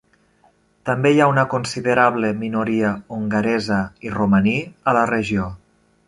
També hi ha una considerable minoria hongaresa i romaní a la regió.